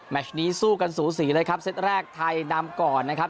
ชนี้สู้กันสูสีเลยครับเซตแรกไทยนำก่อนนะครับ